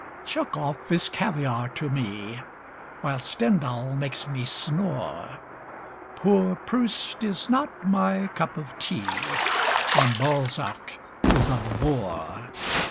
Chekov is caviar to me, While Stendhal makes me snore; Poor Proust is not my cup of tea, And Balzac is a bore.